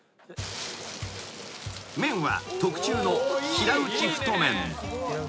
［麺は特注の平打ち太麺］